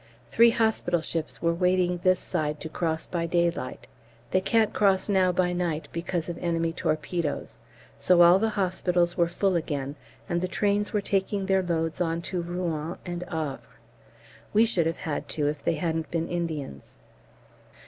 Three hospital ships were waiting this side to cross by daylight. They can't cross now by night because of enemy torpedoes. So all the hospitals were full again, and trains were taking their loads on to Rouen and Havre. We should have had to if they hadn't been Indians.